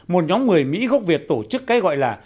một nhóm người mỹ gốc việt tổ chức cái gọi là